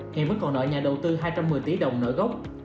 ngày mới còn nợ nhà đầu tư hai trăm một mươi tỷ đồng nợ gốc